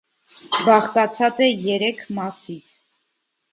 Բաղկացած է երեք մասից։